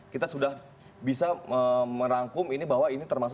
kita sudah bisa merangkum ini bahwa ini termasuk